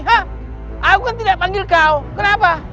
hah aku kan tidak panggil kau kenapa